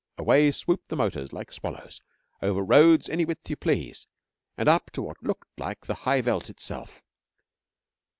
Away swooped the motors, like swallows, over roads any width you please, and up on to what looked like the High Veldt itself.